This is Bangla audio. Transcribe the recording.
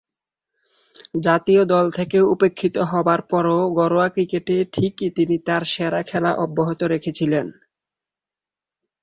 জাতীয় দল থেকে উপেক্ষিত হবার পরও ঘরোয়া ক্রিকেটে ঠিকই তিনি তার সেরা খেলা অব্যাহত রেখেছিলেন।